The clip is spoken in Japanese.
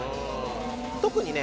特にね